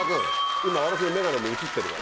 今私の眼鏡に映ってるから。